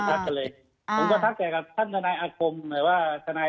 ทักกันเลยอ่าผมก็ทักแต่กับท่านทนายอาคมหมายว่าทนาย